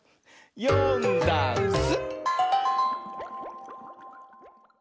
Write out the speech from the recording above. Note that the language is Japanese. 「よんだんす」